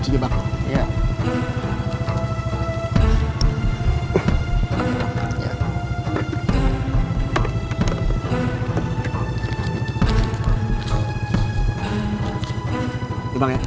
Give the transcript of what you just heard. ini bang ya